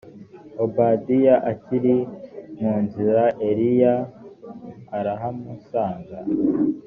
obadiya akiri mu nzira eliya arahamusanga